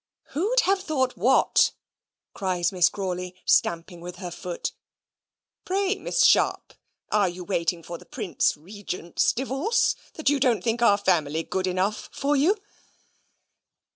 "Who'd have thought what?" cries Miss Crawley, stamping with her foot. "Pray, Miss Sharp, are you waiting for the Prince Regent's divorce, that you don't think our family good enough for you?"